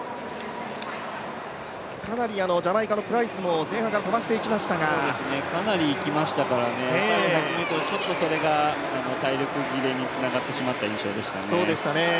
かなりジャマイカのプライスも前半から飛ばしていきましたがかなりいきましたからね、最後１００ｍそれが体力切れにつながってしまった印象でしたね。